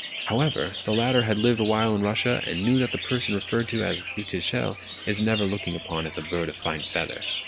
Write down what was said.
However, the latter had lived awhile in Russia, and knew that the person referred to as an "uchitel" is never looked upon as a bird of fine feather.